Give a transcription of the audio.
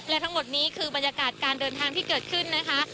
และทั้งหมดนี้คือบรรยากาศการเดินทางที่เกิดขึ้นนะคะ